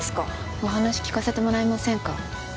お話聞かせてもらえませんか？